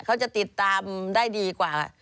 เขาจะติดตามได้ดีกว่า